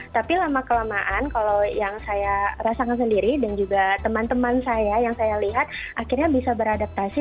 tapi lama kelamaan kalau yang saya rasakan sendiri dan juga teman teman saya yang saya lihat akhirnya bisa beradaptasi